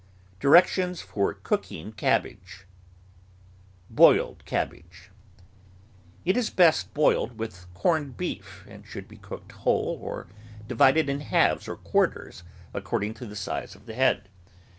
DIRECTIONS FOR COOKING CABBAGE BOILED CABBAGE It is best boiled with corned beef, and should be cooked whole or divided in halves or quarters ac cording to the size of the head.